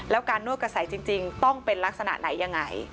แล้วการนวดกระแสจริงต้องเป็นลักษณะไหนยังไง